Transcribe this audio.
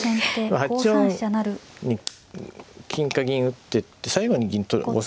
８四に金か銀打ってって最後に銀取る５三